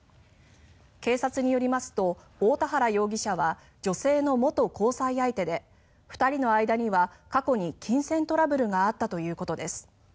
警察によりますと大田原容疑者は女性の元交際相手で２人の間には過去に金銭トラブルがあったということです。